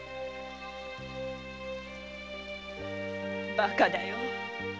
バカだよ